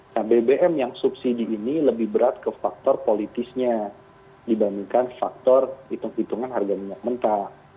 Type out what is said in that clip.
nah bbm yang subsidi ini lebih berat ke faktor politisnya dibandingkan faktor hitung hitungan harga minyak mentah